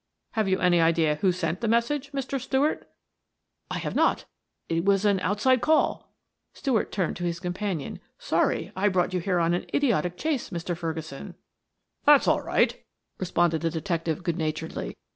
"Have you any idea who sent the message, Mr. Stuart?" "I have not; it was an out side call " Stuart turned to his companion. "Sorry I brought you here on an idiotic chase, Mr. Ferguson." "That's all right," responded the detective good naturedly.